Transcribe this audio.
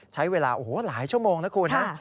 ใช้เวลาหลายชั่วโมงนะครูนะ